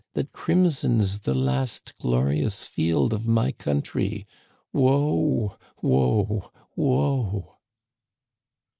135 that crimsons the last glorious field of my country? Woe ! Woe ! Woe